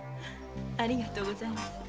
ありがとうございます。